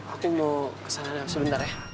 aku mau kesana sebentar ya